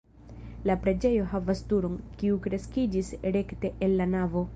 La preĝejo havas turon, kiu kreskiĝis rekte el la navo.